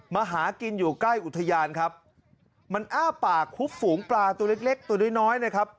มาหากินอยู่ใกล้อุทยานครับมันอ้าปากคุบฝูงปลาตัวเล็กเล็กตัวน้อยน้อยนะครับ